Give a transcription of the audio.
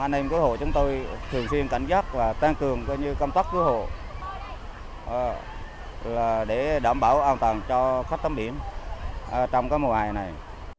lực lượng cứu hộ chúng tôi thường xuyên cảnh giác và tăng cường coi như công tắc cứu hộ để đảm bảo an toàn cho khách tắm biển trong cái mùa hè này